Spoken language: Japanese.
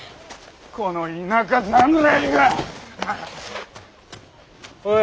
この田舎侍が！おい。